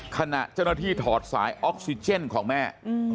ขณะเจ้าหน้าที่ถอดสายออกซิเจนของแม่